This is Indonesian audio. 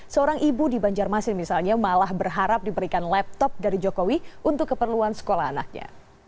seorang ibu di banjarmasin misalnya malah berharap diberikan laptop dari jokowi untuk keperluan sekolah anaknya